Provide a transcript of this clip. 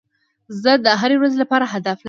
زه د هري ورځي لپاره هدف لرم.